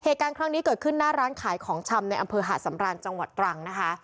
เหตุการณ์ครั้งนี้เกิดขึ้นหน้าร้านขายของชำในอำเภอหาดสำราญจังหวัดตรังนะคะ